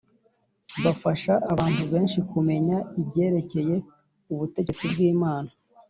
bafasha abantu benshi kumenya ibyerekeye ubutegetsi bw’Imana